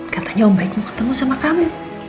katanya om baik mau ketemu sama kami